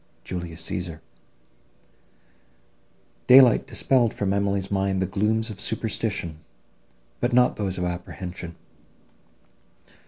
JULIUS CÆSAR Daylight dispelled from Emily's mind the glooms of superstition, but not those of apprehension.